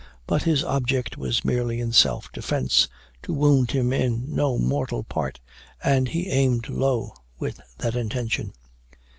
But his object was merely, in self defence, to wound him in no mortal part, and he aimed low with that intention.